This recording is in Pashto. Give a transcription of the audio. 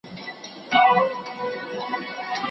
ما د ارامي ټولني هيله کړې ده.